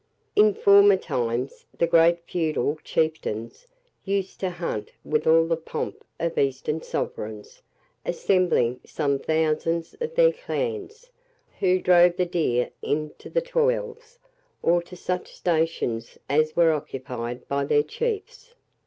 In former times, the great feudal chieftains used to hunt with all the pomp of eastern sovereigns, assembling some thousands of their clans, who drove the deer into the toils, or to such stations as were occupied by their chiefs.